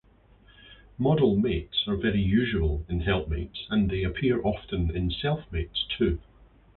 Model mates are very usual in helpmates and they appear often in selfmates too.